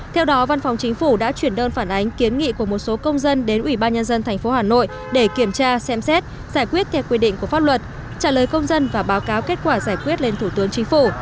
theo đó văn phòng chính phủ đã chuyển đơn phản ánh kiến nghị của một số công dân đến ủy ban nhân dân tp hà nội để kiểm tra xem xét giải quyết theo quy định của pháp luật trả lời công dân và báo cáo kết quả giải quyết lên thủ tướng chính phủ